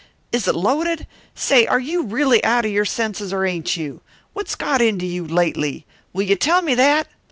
Is it loaded? Say, are you really out of your senses, or ain't you? What's got into you lately? Will you tell me that?